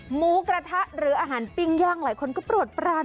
หมูกระทะหรืออาหารปิ้งย่างหลายคนก็โปรดปราน